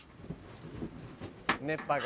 熱波が。